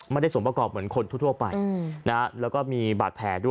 ไม่ได้สมประกอบเหมือนคนทั่วโทรศ์ไปอือนะแล้วก็มีบาดแผลด้วย